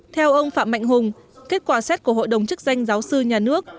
theo ông phạm mạnh hùng kết quả xét của hội đồng chức danh giáo sư nhà nước